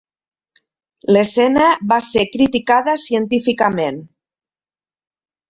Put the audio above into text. L'escena va ser criticada científicament.